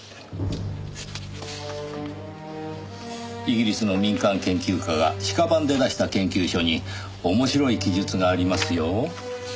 イギリスの民間研究家が私家版で出した研究書に面白い記述がありますよ。